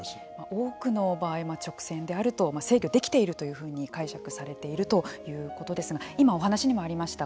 多くの場合直線であると制御できているというふうに解釈されているということですが今お話にもありました